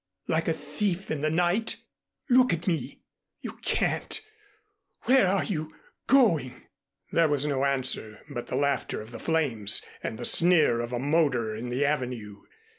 Like a thief in the night? Look at me! You can't! Where are you going?" There was no answer but the laughter of the flames and the sneer of a motor in the Avenue.